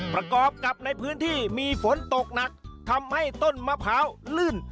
ประกอบกับในพื้นที่มีฝนตกหนักทำให้ต้นมะพร้าวลื่น